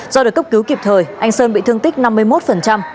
do được cấp cứu kịp thời anh sơn bị thương tích năm mươi một